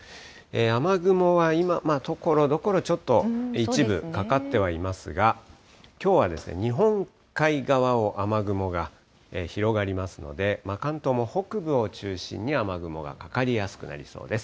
雨雲は今、ところどころちょっと一部かかってはいますが、きょうは日本海側を雨雲が広がりますので、関東も北部を中心に雨雲がかかりやすくなりそうです。